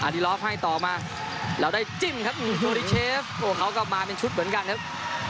อดิลอฟให้ต่อมาแล้วได้จิ้มครับโอ้โหมงคลโอ้โหเขากลับมาเป็นชุดเหมือนกันครับ